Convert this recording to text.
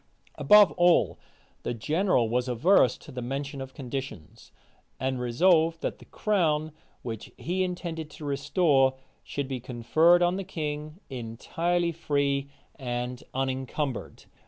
Above all, the general was averse to the mention of conditions; and resolved, that the crown, which he intended to restore, should be conferred on the king entirely free and unencumbered.